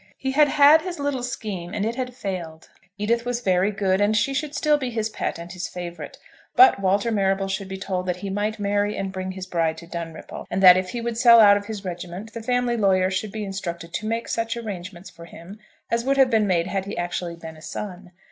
He had had his little scheme, and it had failed. Edith was very good, and she should still be his pet and his favourite, but Walter Marrable should be told that he might marry and bring his bride to Dunripple, and that if he would sell out of his regiment, the family lawyer should be instructed to make such arrangements for him as would have been made had he actually been a son.